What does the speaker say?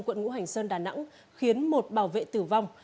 quận ngũ hành sơn đà nẵng khiến một bảo vệ tử vong